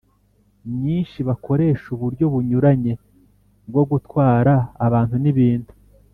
Myinshi bakoresha uburyo bunyuranye bwo gutwara abantu n ibintu